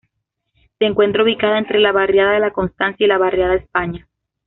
Se encuentra ubicada entre la barriada de la Constancia y la barriada España.